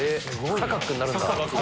サカックになるんだ。